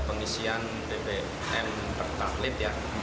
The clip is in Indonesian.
pengisian bbm per tahlit ya